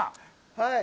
はい。